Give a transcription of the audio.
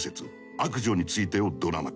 「悪女について」をドラマ化。